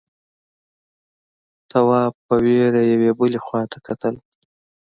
تواب په وېره يوې بلې خواته کتل…